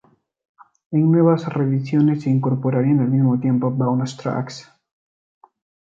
En nuevas reediciones se incorporarían al mismo diversos "bonus tracks".